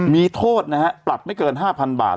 มีโทษนะฮะปรับไม่เกิน๕๐๐๐บาท